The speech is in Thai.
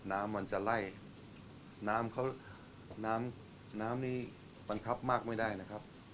น้ำมันจะไล่น้ำนี้ปัญคับมากไม่ได้นะครับ